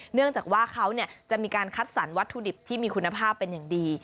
เนื่องจากว่าเขาจะมีการคัดสรรวัตถุดิบที่มีคุณภาพเป็นอย่างดี